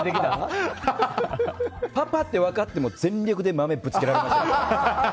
パパって分かっても全力で豆ぶつけられてました。